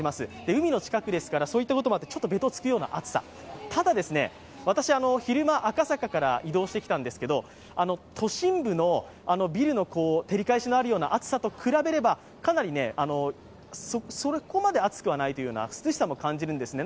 海の近くですから、そういったこともあってべたつくような暑さただ、私、昼間赤坂から移動してきたんですけれども、都心部のビルの照り返しのあるような暑さと比べれば、かなりそこまで暑くはないというような涼しさも感じるんですね。